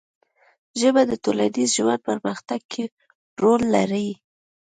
ژبه د ټولنیز ژوند په پرمختګ کې رول لري